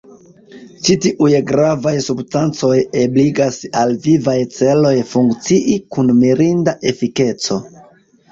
Ĉi tiuj gravaj substancoj ebligas al vivaj ĉeloj funkcii kun mirinda efikeco.